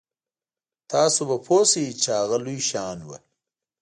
تاسو به پوه شئ چې هغه لوی شیان وو.